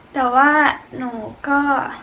แต่ว่าหนูก็